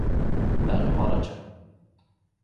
Verre var det ikkje.